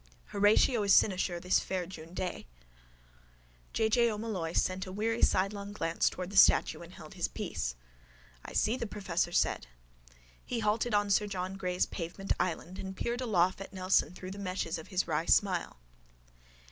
HORATIO IS CYNOSURE THIS FAIR JUNE DAY J. J. O'Molloy sent a weary sidelong glance towards the statue and held his peace. —I see, the professor said. He halted on sir John Gray's pavement island and peered aloft at Nelson through the meshes of his wry smile.